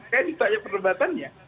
saya ditanya perdebatannya